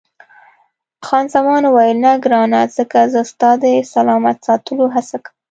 خان زمان وویل، نه ګرانه، ځکه زه ستا د سلامت ساتلو هڅه کوم.